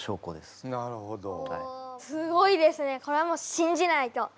すごいですねこれはもう信じないと！